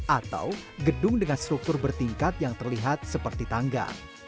atau gedung dengan struktur bertingkat yang terlihat seperti tangga